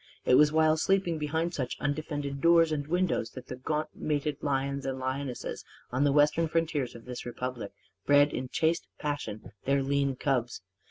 It was while sleeping behind such undefended doors and windows that the gaunt mated lions and lionesses on the Western frontiers of this Republic bred in chaste passion their lean cubs.